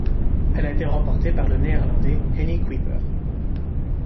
Elle a été remportée par le Néerlandais Hennie Kuiper.